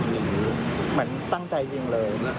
พี่อุ๋ยพ่อจะบอกว่าพ่อจะรับผิดแทนลูก